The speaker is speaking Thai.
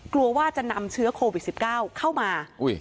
กลัวว่าจะนำเชื้อโควิด๑๙เข้ามา